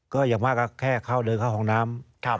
ก็อย่างมากก็แค่เข้าเดินเข้าห้องน้ำ